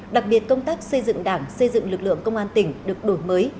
đặc biệt công tác xây dựng đảng xây dựng lực lượng công an tỉnh được đổi mới